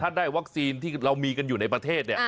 ถ้าได้วัคซีนที่เรามีกันอยู่ในประเทศ